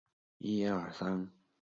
参见音高的相关讨论。